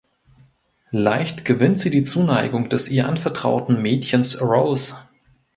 Leicht gewinnt sie die Zuneigung des ihr anvertrauten Mädchens Rose.